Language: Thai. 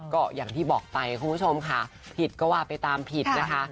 ก็อย่างที่บอกไปคุณผู้ชมค่ะผิดก็ว่าไปตามผิดนะคะ